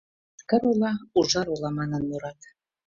Йошкар-Ола — ужар ола, манын мурат.